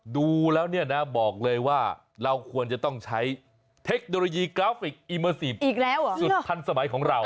ดูแล้วเนี่ยนะบอกเลยว่าเราควรจะต้องใช้เทคโนโลยีกราฟิกอีเมอร์ซีฟอีกแล้วสุดทันสมัยของเรา